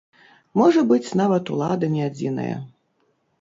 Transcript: Можа быць, нават улада не адзінае.